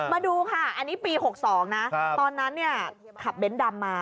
มาดูค่ะอันนี้ปี๖๒นะตอนนั้นขับเบ้นดำมา